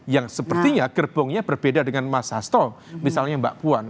yang sepertinya gerbongnya berbeda dengan mas hasto misalnya mbak puan